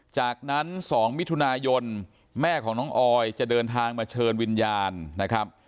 จากนั้น๒มิถุนายนแม่ของน้องออยจะเดินทางมาเชิญวิญญาณนะครับ